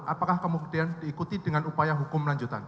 apakah kemudian diikuti dengan upaya hukum lanjutan